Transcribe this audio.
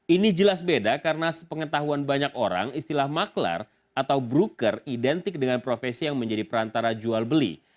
ini jelas beda karena sepengetahuan banyak orang istilah maklar atau broker identik dengan profesi yang menjadi perantara jual beli